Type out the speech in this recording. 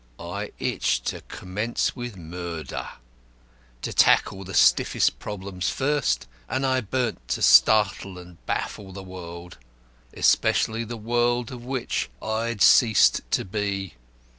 I itched to commence with murder to tackle the stiffest problems first, and I burned to startle and baffle the world especially the world of which I had ceased to be.